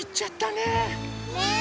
ねえ。